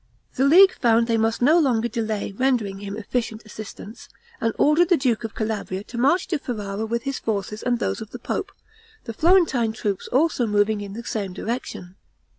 The League found they must no longer delay rendering him efficient assistance, and ordered the duke of Calabria to march to Ferrara with his forces and those of the pope, the Florentine troops also moving in the same direction.